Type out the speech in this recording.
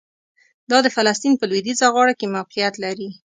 دا د فلسطین په لویدیځه غاړه کې موقعیت لري.